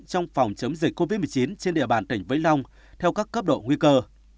trong phòng chống dịch covid một mươi chín trên địa bàn tỉnh vĩnh long theo các cấp độ nguy cơ